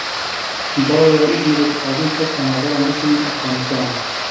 Baroya Îzmîrê, dixwazin sed penaberan bişînin Efxanistanê.